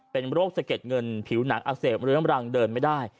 เป็นโรคสะเก็ดเงินผิวหนังอักเสบเรื้อมรังเดินไม่ได้